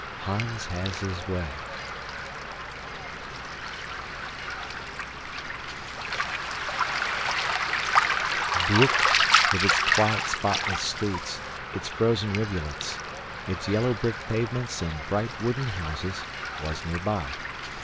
Hans Has His Way Broek, with its quiet, spotless streets, its frozen rivulets, its yellow brick pavements and bright wooden houses, was nearby.